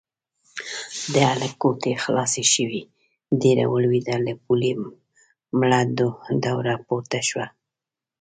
د هلک ګوتې خلاصې شوې، ډبره ولوېده، له پولې مړه دوړه پورته شوه.